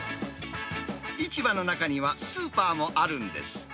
市場の中にはスーパーもあるんです。